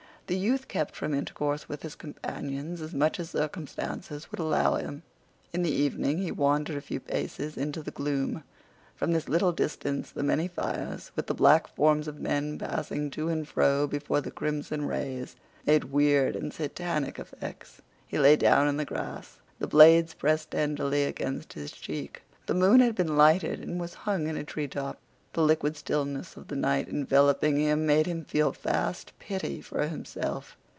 The youth kept from intercourse with his companions as much as circumstances would allow him. In the evening he wandered a few paces into the gloom. From this little distance the many fires, with the black forms of men passing to and fro before the crimson rays, made weird and satanic effects. He lay down in the grass. The blades pressed tenderly against his cheek. The moon had been lighted and was hung in a treetop. The liquid stillness of the night enveloping him made him feel vast pity for himself.